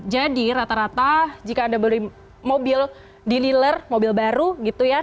jadi rata rata jika anda beli mobil di dealer mobil baru gitu ya